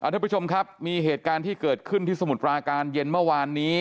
ทุกผู้ชมครับมีเหตุการณ์ที่เกิดขึ้นที่สมุทรปราการเย็นเมื่อวานนี้